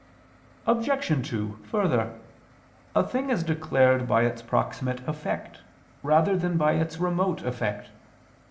Obj. 2: Further, a thing is declared by its proximate effect rather than by its remote effect.